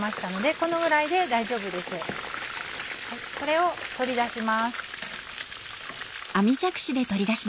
これを取り出します。